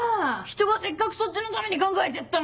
ひとがせっかくそっちのために考えてやったのに！